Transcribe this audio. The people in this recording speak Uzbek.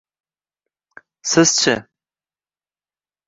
Sizchi?